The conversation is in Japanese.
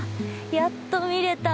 やっと見れた。